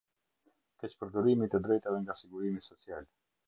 Keqpërdorimi i të drejtave nga sigurimi social.